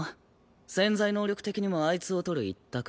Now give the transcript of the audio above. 潜在能力的にもあいつをとる一択。